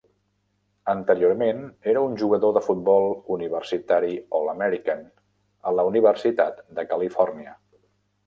Anteriorment era un jugador de futbol universitari All-American a la Universitat de Califòrnia.